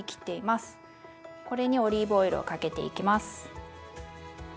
これにオリーブオイルをかけていきます。